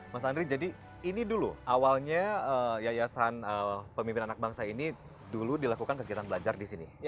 mas andri jadi ini dulu awalnya yayasan pemimpin anak bangsa ini dulu dilakukan kegiatan belajar di sini